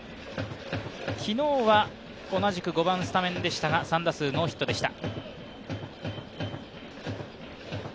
昨日は同じく５番スタメンでしたが３打数ノーヒットでした。